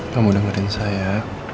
kamu dengerin saya